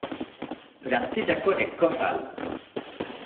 ରାତିଯାକ ଏକ ହାଲ ।